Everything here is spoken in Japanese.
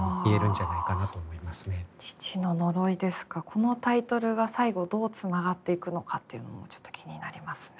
このタイトルが最後どうつながっていくのかっていうのもちょっと気になりますね。